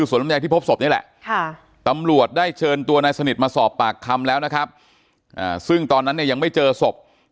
ปากคำแล้วนะครับอ่าซึ่งตอนนั้นเนี่ยยังไม่เจอศพ